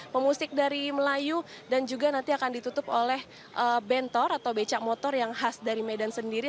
pemusik dari melayu dan juga nanti akan ditutup oleh bentor atau becak motor yang khas dari medan sendiri